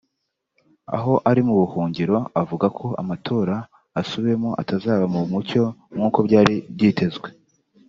aho ari mu buhungiro avuga ko amatora asubiwemo atazaba mu mucyo nkuko byari byitezwe